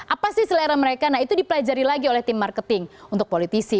apa sih selera mereka nah itu dipelajari lagi oleh tim marketing untuk politisi